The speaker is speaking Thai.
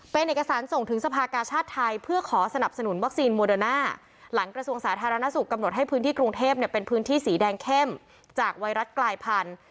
เป็นเอกสารส่งถึงสภากาชาติไทยเพื่อขอสนับสนุนวัคซีนโมเดอร์น่าหลังกระทรวงสาธารณสุขกำหนดให้พื้นที่กรุงเทพเนี่ยเป็นพื้นที่สีแดงเข้มจากไวรัสกลายพันธุ์